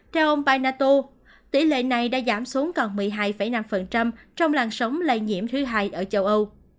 theo ông panato tỷ lệ này đã giảm xuống còn một mươi hai năm trong làn sóng lây nhiễm thứ hai ở châu âu